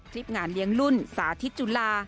คลิปงานเลี้ยงรุ่นสาธิตจุฬา